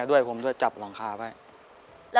สวัสดีครับน้องเล่จากจังหวัดพิจิตรครับ